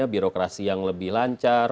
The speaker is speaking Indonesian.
birokrasi yang lebih lancar